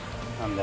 で